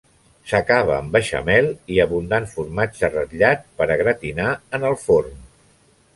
S'acaba amb beixamel i abundant formatge ratllat per a gratinar en el forn.